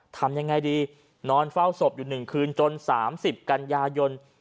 ทำยังไงดีนอนเฝ้าศพอยู่๑คืนจน๓๐กันยายน